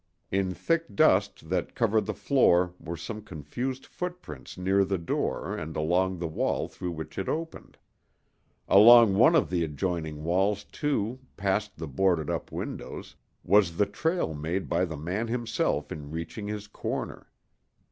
In thick dust that covered the floor were some confused footprints near the door and along the wall through which it opened. Along one of the adjoining walls, too, past the boarded up windows, was the trail made by the man himself in reaching his corner.